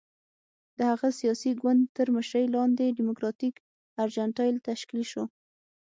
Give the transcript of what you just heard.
د هغه سیاسي ګوند تر مشرۍ لاندې ډیموکراتیک ارجنټاین تشکیل شو.